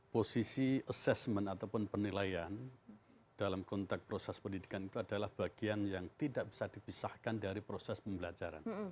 posisi assessment ataupun penilaian dalam konteks proses pendidikan itu adalah bagian yang tidak bisa dipisahkan dari proses pembelajaran